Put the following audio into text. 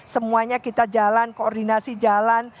semuanya kita jalan koordinasi jalan